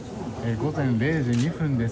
午前０時２分です。